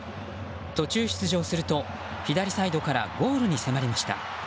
途中出場すると左サイドからゴールに迫りました。